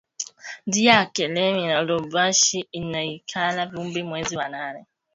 Njiya ya kalemie na lubumbashi inaikalaka vumbi mwezi wa nane